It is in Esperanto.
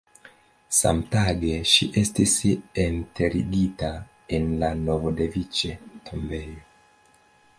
Samtage ŝi estis enterigita en la Novodeviĉe-tombejo.